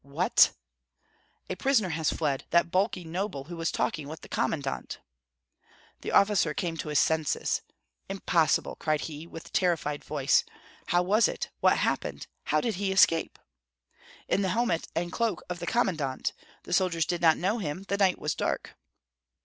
"What?" "A prisoner has fled, that bulky noble who was talking with the commandant." The officer came to his senses. "Impossible!" cried he, with terrified voice. "How was it? What happened? How did he escape?" "In the helmet and cloak of the commandant; the soldiers did not know him, the night was dark."